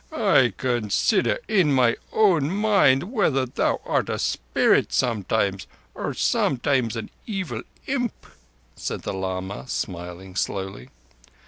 "I consider in my own mind whether thou art a spirit, sometimes, or sometimes an evil imp," said the lama, smiling slowly.